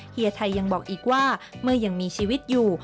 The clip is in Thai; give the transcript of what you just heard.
เฮียไทยยังบอกอีกว่าเมื่อยังมีชีวิตอยู่